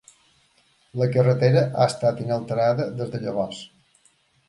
La carretera ha estat inalterada des de llavors.